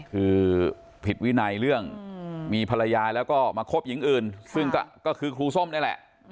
คือผิดวินัยเรื่องมีภรรยาแล้วก็มาคบหญิงอื่นซึ่งก็คือครูส้มนี่แหละ